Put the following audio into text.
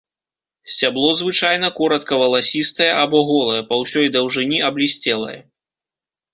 Сцябло звычайна каротка валасістае або голае, па ўсёй даўжыні аблісцелае.